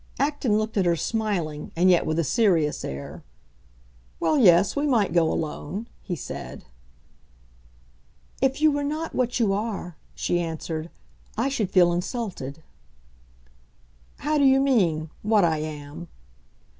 Acton looked at her, smiling, and yet with a serious air. "Well, yes; we might go alone," he said. "If you were not what you are," she answered, "I should feel insulted." "How do you mean—what I am?"